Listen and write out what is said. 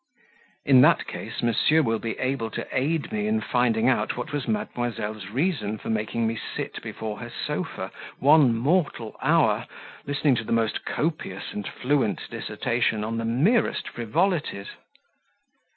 "In that case, monsieur will be able to aid me in finding out what was mademoiselle's reason for making me sit before her sofa one mortal hour, listening to the most copious and fluent dissertation on the merest frivolities."